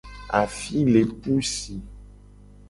Afi le pu si.